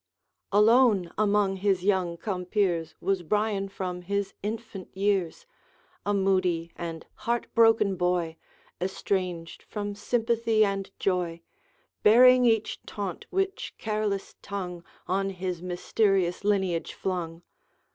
Alone, among his young compeers, Was Brian from his infant years; A moody and heart broken boy, Estranged from sympathy and joy Bearing each taunt which careless tongue On his mysterious lineage flung.